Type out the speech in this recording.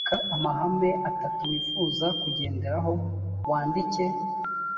andika amahame atatu wifuza kugenderaho wandike